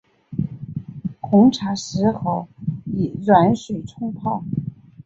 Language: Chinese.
红茶适合以软水冲泡。